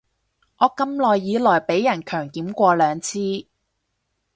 我咁耐以來被人強檢過兩次